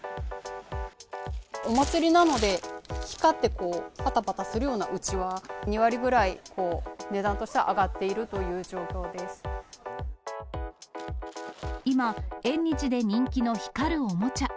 お祭りなので、光ってこう、ぱたぱたするようなうちわ、２割ぐらい値段としては上がって今、縁日で人気の光るおもちゃ。